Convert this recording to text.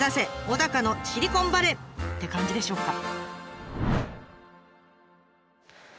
小高のシリコンバレー！って感じでしょうか？